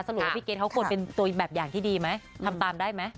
ว่าพี่เกรทเขาควรเป็นตัวแบบอย่างที่ดีไหมทำตามได้ไหม